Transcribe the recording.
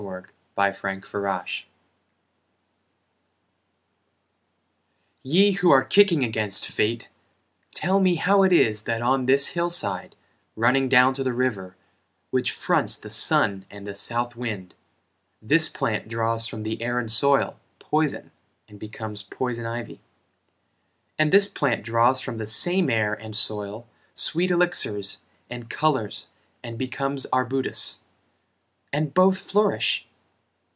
Calvin Campbell Ye who are kicking against Fate, Tell me how it is that on this hill side Running down to the river, Which fronts the sun and the south wind, This plant draws from the air and soil Poison and becomes poison ivy? And this plant draws from the same air and soil Sweet elixirs and colors and becomes arbutus? And both flourish?